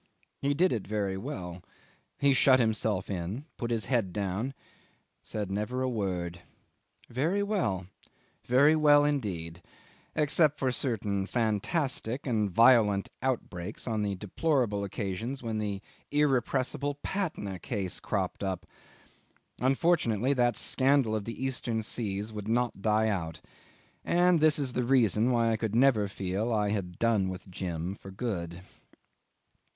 He did it very well. He shut himself in, put his head down, said never a word. Very well; very well indeed except for certain fantastic and violent outbreaks, on the deplorable occasions when the irrepressible Patna case cropped up. Unfortunately that scandal of the Eastern seas would not die out. And this is the reason why I could never feel I had done with Jim for good.